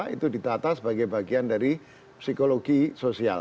itu ditata sebagai bagian dari psikologi sosial